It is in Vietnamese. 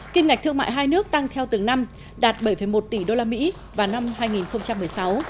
kim ngạch thương mại hai nước tăng theo từng năm đạt bảy một tỷ usd vào năm hai nghìn một mươi sáu